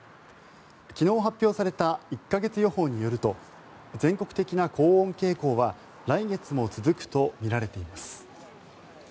昨日発表された１か月予報によると全国的な高温傾向は来月も続くとみられています。